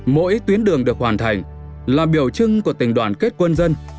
mỗi tuyến đường được hoàn thành là biểu trưng của tình đoàn kết quân dân